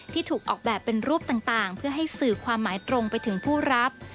ที่ถูกออกแบบเป็นรูปต่างเพื่อให้สื่อความหมายตรงไปถึงผู้รับ